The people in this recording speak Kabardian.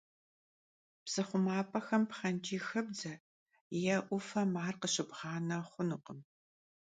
Psı xhumap'exem pxhenç'iy xebdze yê 'Ufem ar khışıbğane xhunukhım.